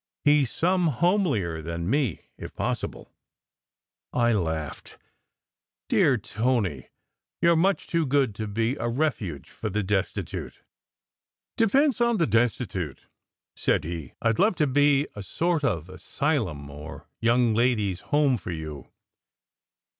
He s some homelier than me, if possible." I laughed. "Dear Tony! You re much too good to be a refuge for the destitute." "Depends on the destitute," said he. "I d love to be a sort of asylum or young ladies home for you.